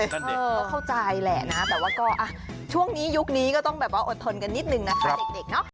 ก็เข้าใจแหละนะแต่ว่าก็ช่วงนี้ยุคนี้ก็ต้องแบบว่าอดทนกันนิดนึงนะคะเด็กเนาะ